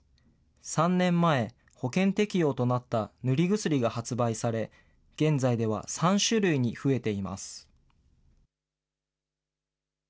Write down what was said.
３年前、保険適用となった塗り薬が発売され、現在では３種類に増えています。